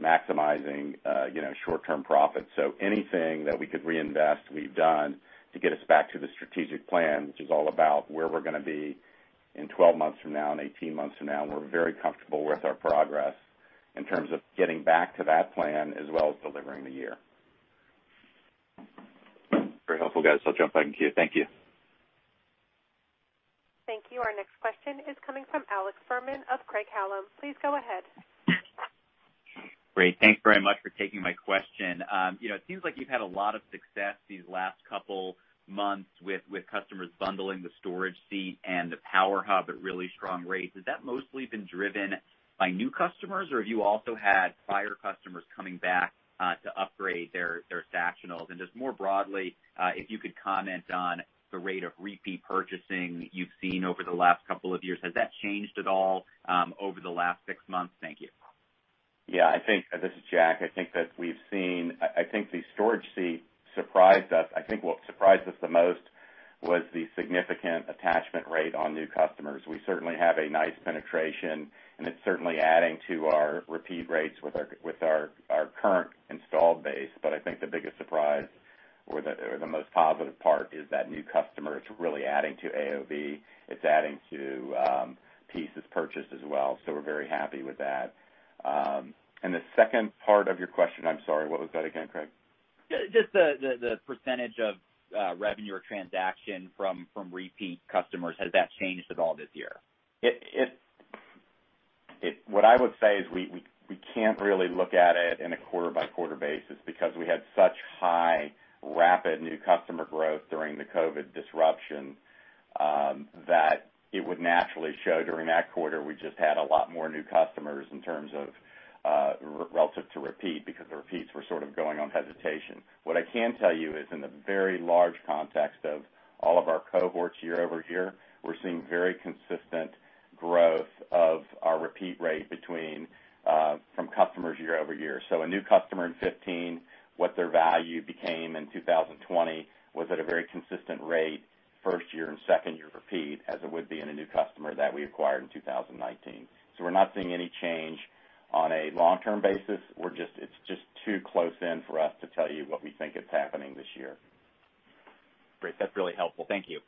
maximizing, you know, short-term profits. Anything that we could reinvest, we've done to get us back to the strategic plan, which is all about where we're gonna be in 12 months from now and 18 months from now. We're very comfortable with our progress in terms of getting back to that plan as well as delivering the year. Very helpful, guys. I'll jump back in queue. Thank you. Thank you. Our next question is coming from Alex Fuhrman of Craig-Hallum. Please go ahead. Great. Thanks very much for taking my question. You know, it seems like you've had a lot of success these last couple months with customers bundling the Storage Seat and the Power Hub at really strong rates. Has that mostly been driven by new customers, or have you also had prior customers coming back to upgrade their Sactionals? Just more broadly, if you could comment on the rate of repeat purchasing you've seen over the last couple of years, has that changed at all over the last six months? Thank you. This is Jack. I think the storage seat surprised us. I think what surprised us the most was the significant attachment rate on new customers. We certainly have a nice penetration, and it's certainly adding to our repeat rates with our current installed base. I think the biggest surprise or the most positive part is that new customer is really adding to AOV. It's adding to pieces purchased as well, so we're very happy with that. The second part of your question, I'm sorry, what was that again, Alex? Just the percentage of revenue or transaction from repeat customers. Has that changed at all this year? What I would say is we can't really look at it on a quarter-by-quarter basis because we had such high, rapid new customer growth during the COVID disruption that it would naturally show during that quarter. We just had a lot more new customers in terms of relative to repeat because the repeats were sort of going on hesitation. What I can tell you is in the very large context of all of our cohorts year-over-year, we're seeing very consistent growth of our repeat rate between from customers year-over-year. A new customer in 2015, what their value became in 2020 was at a very consistent rate, first year and second year repeat, as it would be in a new customer that we acquired in 2019. We're not seeing any change on a long-term basis. It's just too close in for us to tell you what we think is happening this year. Great. That's really helpful. Thank you.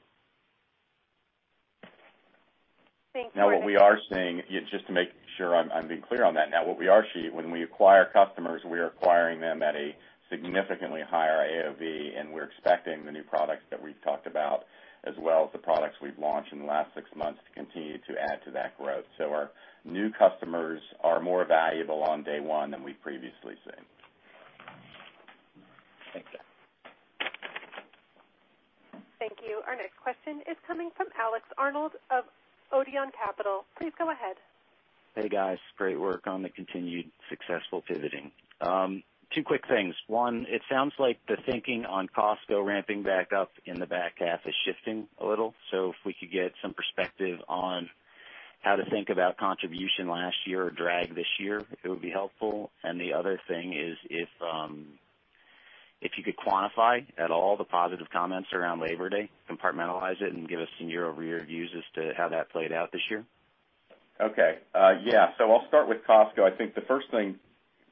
Thanks, Craig. Now, what we are seeing, just to make sure I'm being clear on that, when we acquire customers, we are acquiring them at a significantly higher AOV, and we're expecting the new products that we've talked about as well as the products we've launched in the last six months to continue to add to that growth. Our new customers are more valuable on day one than we've previously seen. Thanks. Thank you. Our next question is coming from Alex Arnold of Odeon Capital Group. Please go ahead. Hey, guys. Great work on the continued successful pivoting. Two quick things. One, it sounds like the thinking on Costco ramping back up in the back half is shifting a little. If we could get some perspective on how to think about contribution last year or drag this year, it would be helpful. The other thing is if you could quantify at all the positive comments around Labor Day, compartmentalize it, and give us some year-over-year views as to how that played out this year. Okay. Yeah. I'll start with Costco. I think the first thing,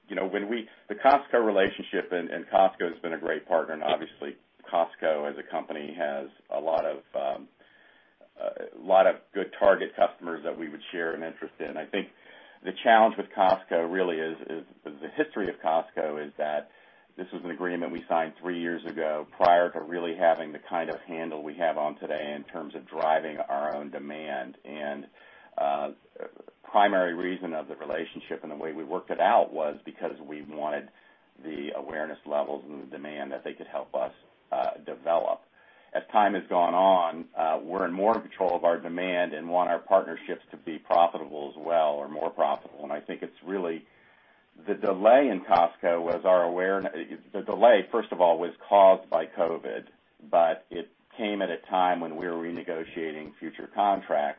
you know, The Costco relationship and Costco has been a great partner, and obviously, Costco as a company has a lot of a lot of good target customers that we would share an interest in. I think the challenge with Costco really is the history of Costco is that this was an agreement we signed three years ago prior to really having the kind of handle we have on today in terms of driving our own demand. Primary reason of the relationship and the way we worked it out was because we wanted the awareness levels and the demand that they could help us develop. As time has gone on, we're in more control of our demand and want our partnerships to be profitable as well or more profitable. I think it's really the delay in Costco. The delay, first of all, was caused by COVID, but it came at a time when we were renegotiating future contracts.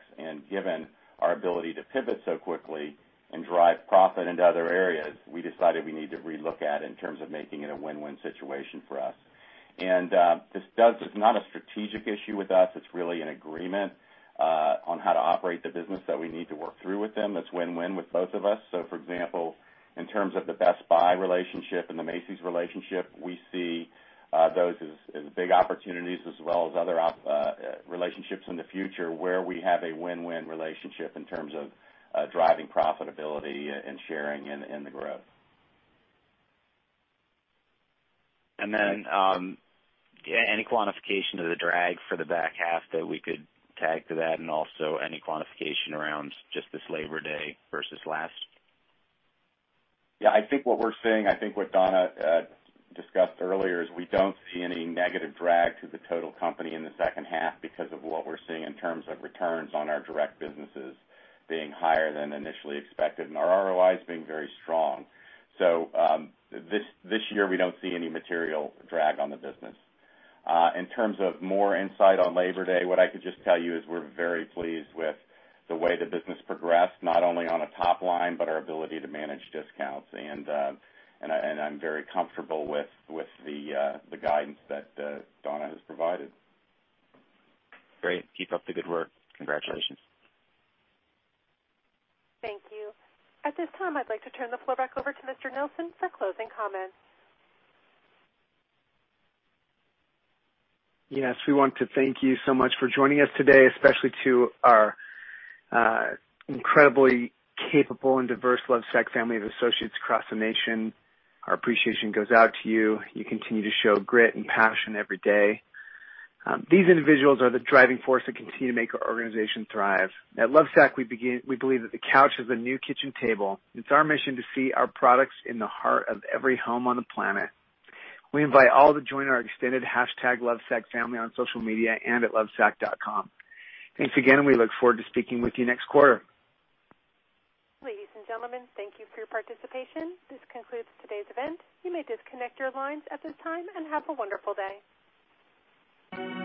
Given our ability to pivot so quickly and drive profit into other areas, we decided we need to relook at in terms of making it a win-win situation for us. It's not a strategic issue with us. It's really an agreement on how to operate the business that we need to work through with them. It's win-win with both of us. For example, in terms of the Best Buy relationship and the Macy's relationship, we see those as big opportunities as well as other relationships in the future where we have a win-win relationship in terms of driving profitability and sharing in the growth. Any quantification of the drag for the back half that we could tag to that, and also any quantification around just this Labor Day versus last? Yeah. I think what we're seeing, I think what Donna discussed earlier is we don't see any negative drag to the total company in the second half because of what we're seeing in terms of returns on our direct businesses being higher than initially expected and our ROIs being very strong. So, this year we don't see any material drag on the business. In terms of more insight on Labor Day, what I could just tell you is we're very pleased with the way the business progressed, not only on a top line, but our ability to manage discounts. I'm very comfortable with the guidance that Donna has provided. Great. Keep up the good work. Congratulations. Thank you. At this time, I'd like to turn the floor back over to Mr. Nelson for closing comments. Yes, we want to thank you so much for joining us today, especially to our incredibly capable and diverse Lovesac family of associates across the nation. Our appreciation goes out to you. You continue to show grit and passion every day. These individuals are the driving force that continue to make our organization thrive. At Lovesac, we believe that the couch is the new kitchen table. It's our mission to see our products in the heart of every home on the planet. We invite all to join our extended hashtag Lovesac family on social media and at lovesac.com. Thanks again, and we look forward to speaking with you next quarter. Ladies and gentlemen, thank you for your participation. This concludes today's event. You may disconnect your lines at this time, and have a wonderful day.